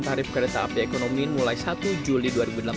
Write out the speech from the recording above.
tarif kereta api ekonomi mulai satu juli dua ribu delapan belas